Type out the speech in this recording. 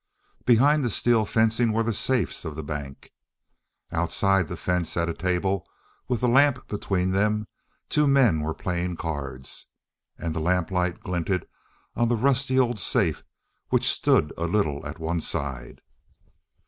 Behind this steel fencing were the safes of the bank. Outside the fence at a table, with a lamp between them, two men were playing cards. And the lamplight glinted on the rusty old safe which stood a little at one side.